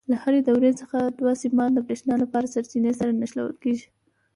له هرې دورې څخه دوه سیمان د برېښنا له سرچینې سره نښلول کېږي.